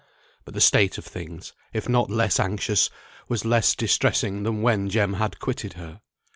But the state of things, if not less anxious, was less distressing than when Jem had quitted her.